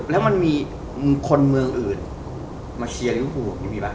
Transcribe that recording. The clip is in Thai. มันแปลว่ามีคนเมืองอื่นมาเชียร์ลิเวอร์โฟล์มีปะ